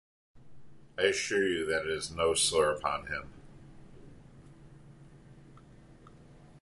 I assure you that it is no slur upon him.